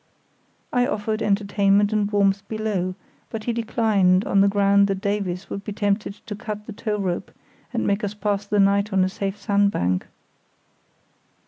I offered entertainment and warmth below, but he declined on the ground that Davies would be tempted to cut the tow rope and make us pass the night on a safe sandbank.